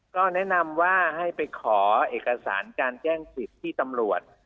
ก็แนะนำว่าให้ไปขอเอกสารการแจ้งสิทธิ์ที่ตำรวจ